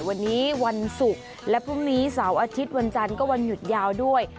วันนี้วันศุกร์และพรุ่งนี้เสาร์อาทิตย์วันจันทร์ก็วันหยุดยาวด้วย